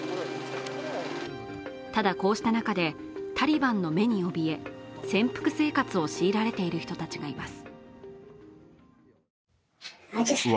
ただ、こうした中でタリバンの目におびえ潜伏生活を強いられている人たちがいます。